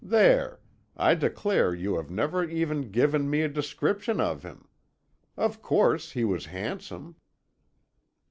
There! I declare you have never even given me a description of him. Of course he was handsome."